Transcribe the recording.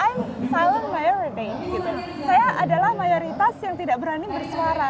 i'm silent my everyday saya adalah mayoritas yang tidak berani bersuara